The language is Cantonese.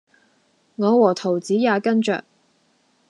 我和桃子也跟著